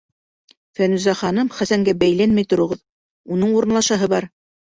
Фәнүзә ханым, Хәсәнгә бәйләнмәй тороғоҙ, уның урынлашаһы бар.